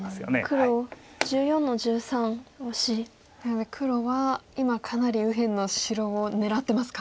黒１４の十三オシなので黒は今かなり右辺の白を狙ってますか。